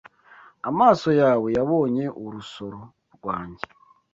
amaso yawe yabonye urusoro rwanjye,